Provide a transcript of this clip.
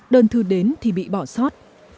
đơn thư đến thì bị bỏ sót